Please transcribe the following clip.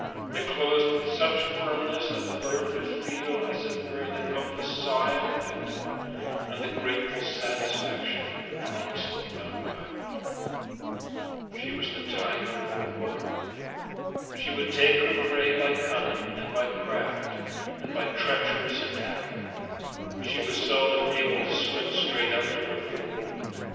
They closed with such firmness that the bird could feel, as it were, the helpless sigh of the victim, and the grateful satisfaction of the promising young pirate. She was the tiger of the water. She would take her prey by cunning and by craft, and by treacherous attack. She was seldom able to swim straight up to her food.